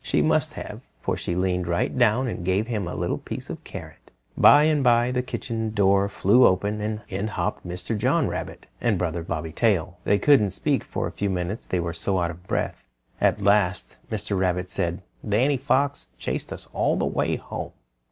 She must have, for she leaned right down and gave him a little piece of carrot. By and by the kitchen door flew open and in hopped Mr. John Rabbit and Brother Bobby Tail. They couldn't speak for a few minutes they were so out of breath. At last Mr. Rabbit said, "Danny Fox chased us all the way home!"